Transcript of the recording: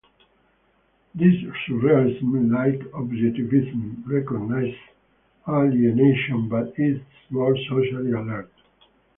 This surrealism, like objectivism, recognizes alienation but is more socially alert.